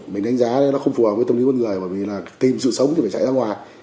mình đánh giá đây nó không phù hợp với tâm lý con người bởi vì là tìm sự sống thì phải chạy ra ngoài